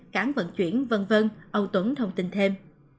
cản vận chuyển v v ông tuấn thông tin thêm